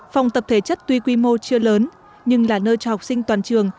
phòng tập thể chất tuy quy mô chưa lớn nhưng là nơi cho học sinh toàn trường